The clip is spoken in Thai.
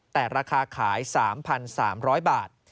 แต่ราคาขาย๓๓๐๐บาท